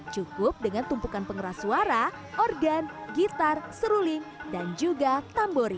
cukup dengan tumpukan pengeras suara organ gitar seruling dan juga tambori